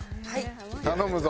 頼むぞ。